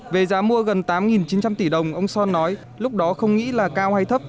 về giá mua gần tám chín trăm linh tỷ đồng ông son nói lúc đó không nghĩ là cao hay thấp